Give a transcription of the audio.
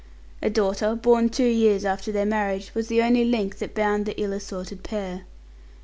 A daughter, born two years after their marriage, was the only link that bound the ill assorted pair.